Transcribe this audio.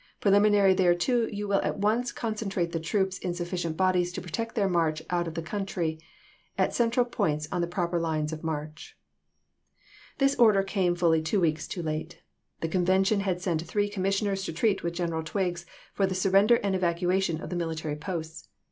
Preliminary thereto you will at once concentrate the troops in sufficient bodies to protect their march out of the country, at central points on the proper lines of march." This order came fully two weeks too late. The convention had sent three commissioners to treat with General Twiggs for the surrender and evacua tion of the military posts.